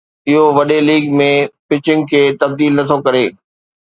اهو وڏي league ۾ pitching کي تبديل نٿو ڪري